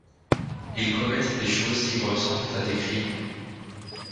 Ils commettent des choses qui ressemblent à des crimes.